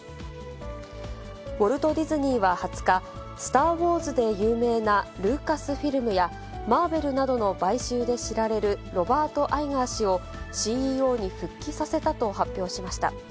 ウォルト・ディズニーは２０日、スター・ウォーズで有名なルーカスフィルムや、マーベルなどの買収で知られるロバート・アイガー氏をＣＥＯに復帰させたと発表しました。